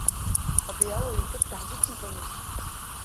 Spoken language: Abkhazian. Абри ауаҩ иҭыԥ даҳзықәымҵону?